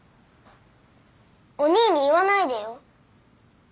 おにぃに言わないでよ。